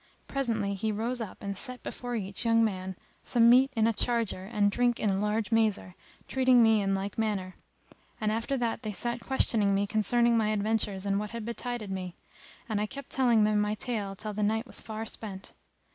Presently he rose up and set before each young man some meat in a charger and drink in a large mazer, treating me in like manner; and after that they sat questioning me concerning my adventures and what had betided me: and I kept telling them my tale till the night was far spent.